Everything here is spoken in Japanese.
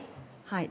はい。